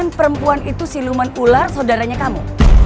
yang perempuan itu siluman ular saudaranya kamu